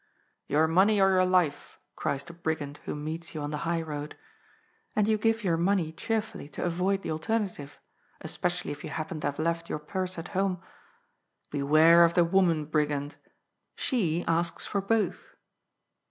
^^ Your money or your life," cries the brigand who meets you on the high road. And you give your money cheerfully to avoid the alternative, especially if you happen to have left your purse at home. Beware of the woman brigand. She asks for both.